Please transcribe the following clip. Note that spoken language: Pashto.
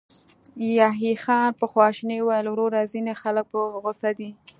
يحيی خان په خواشينۍ وويل: وروره، ځينې خلک په غوسه دي.